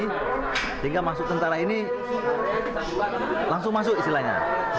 sehingga masuk tentara ini langsung masuk istilahnya